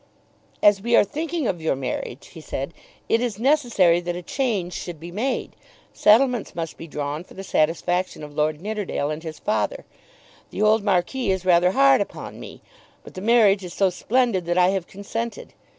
"As we are thinking of your marriage," he said, "it is necessary that a change should be made. Settlements must be drawn for the satisfaction of Lord Nidderdale and his father. The old Marquis is rather hard upon me, but the marriage is so splendid that I have consented.